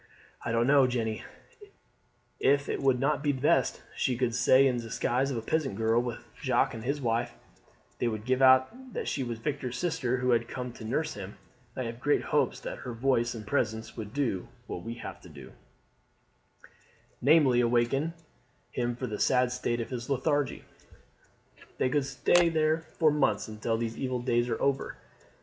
"I don't know, Jeanne, if it would not be best. She could stay in the disguise of a peasant girl with Jacques and his wife; they would give out that she was Victor's sister who had come to nurse him. I have great hopes that her voice and presence would do what we have to do, namely, awaken him from his sad state of lethargy. They could stay there for months until these evil days are over.